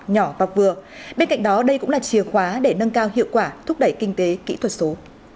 nhỏ và vừa bên cạnh đó đây cũng là chìa khóa để nâng cao hiệu quả thúc đẩy kinh tế kỹ thuật số